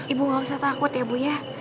ibu gak usah takut ya bu ya